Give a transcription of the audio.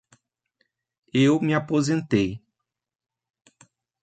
Eu me aposentei.